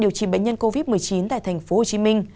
điều trị bệnh nhân covid một mươi chín tại tp hcm